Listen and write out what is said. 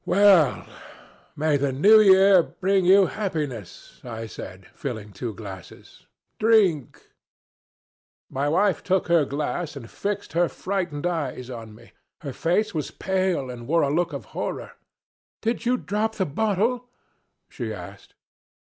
"Well, may the New Year bring you happiness!" I said, filling two glasses. "Drink!" My wife took her glass and fixed her frightened eyes on me. Her face was pale and wore a look of horror. "Did you drop the bottle?" she asked.